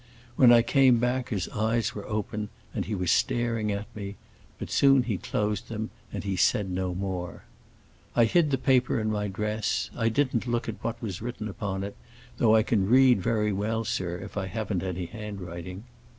When I came back his eyes were open and he was staring at me; but soon he closed them and he said no more. I hid the paper in my dress; I didn't look at what was written upon it, though I can read very well, sir, if I haven't any handwriting.